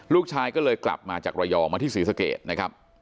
ลูกชายก็เลยกลับมาจากระยองมาที่ศรีสเกตนะครับ